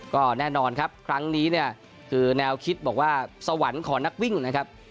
ก็แน่นอนครับครั้งนี้เนี่ยคือแนวคิดบอกว่าสวรรค์ของนักวิ่งนะครับ